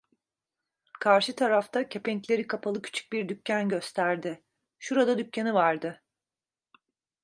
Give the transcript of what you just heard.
Karşı tarafta, kepenkleri kapalı küçük bir dükkan gösterdi: "Şurada dükkanı vardı!"